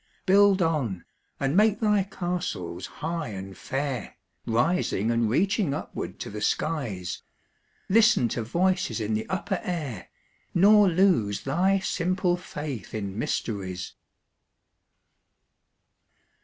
Build on, and make thy castles high and fair, Rising and reaching upward to the skies; Listen to voices in the upper air, Nor lose thy simple faith in mysteries.